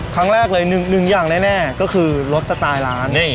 ครั้งแรกเลยหนึ่งอย่างแน่ก็คือลดสไตล์ร้าน